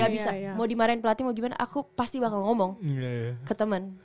gak bisa mau dimarahin pelatih mau gimana aku pasti bakal ngomong ke temen